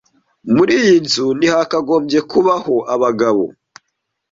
Muri iyi nzu ntihakagombye kubaho abagabo.